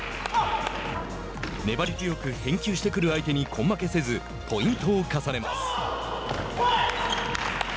粘り強く返球してくる相手に根負けせず、ポイントを重ねます。